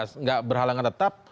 kalau tidak berhalangan tetap